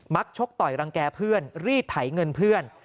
ชกต่อยรังแก่เพื่อนรีดไถเงินเพื่อน